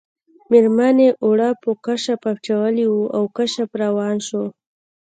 میرمنې اوړه په کشپ اچولي وو او کشپ روان شو